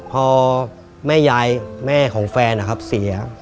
พอแม่ยายแม่ของแฟนเสีย